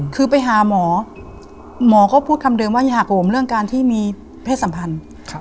คือไปหาหมอหมอก็พูดคำเดิมว่าอย่าโหมเรื่องการที่มีเพศสัมพันธ์